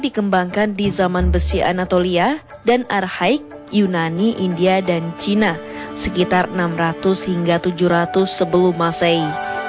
dikembangkan di zaman besi anatolia dan arhaik yunani india dan cina sekitar enam ratus hingga tujuh ratus sebelum masehi